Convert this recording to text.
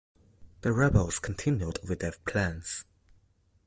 The rebels continued with their plans.